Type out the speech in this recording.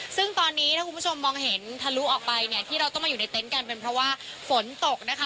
ซึ่งตอนนี้ถ้าคุณผู้ชมมองเห็นทะลุออกไปเนี่ยที่เราต้องมาอยู่ในเต็นต์กันเป็นเพราะว่าฝนตกนะคะ